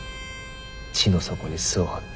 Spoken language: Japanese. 地の底に巣を張って。